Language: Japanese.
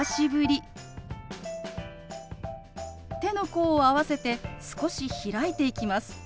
手の甲を合わせて少し開いていきます。